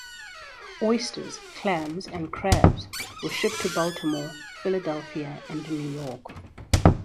Oysters, clams, and crabs were shipped to Baltimore, Philadelphia, and New York.